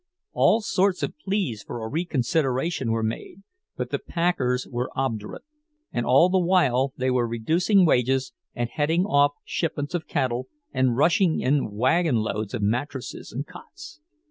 All sorts of pleas for a reconsideration were made, but the packers were obdurate; and all the while they were reducing wages, and heading off shipments of cattle, and rushing in wagon loads of mattresses and cots.